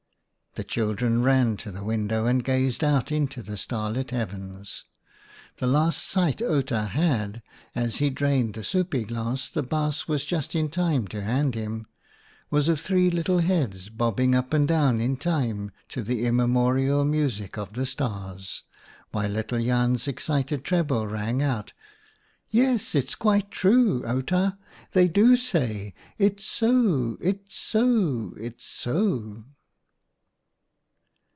The children ran to the window and gazed out into the starlit heavens. The last sight Outa had, as he drained the soopje glass the Baas was just in time to hand him, was of three little heads bobbing up and down in time to the immemorial music of the Stars, while little Jan's excited treble rang out : 11 Yes, it's quite true, Outa. They do say, 'It's so! It's so! It's so!'"